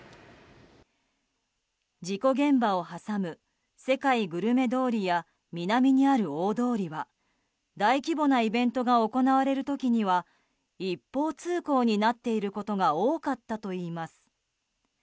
事故現場を挟む世界グルメ通りや南にある大通りは大規模なイベントが行われる時には一方通行になっていることが多かったといいます。